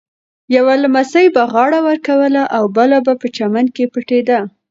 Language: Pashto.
یوه لمسي به غاړه ورکوله او بل به په چمن کې پټېده.